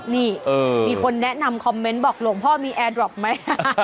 นี่มีคนแนะนำคอมเมนต์บอกหลวงพ่อมีแอร์ดรอกไหม